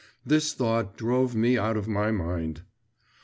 … This thought drove me out of my mind.